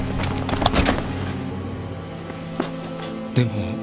でも。